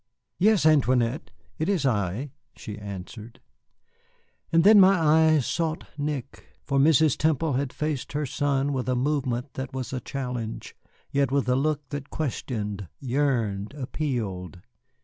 "Yes, Antoinette, it is I," she answered. And then my eyes sought Nick, for Mrs. Temple had faced her son with a movement that was a challenge, yet with a look that questioned, yearned, appealed.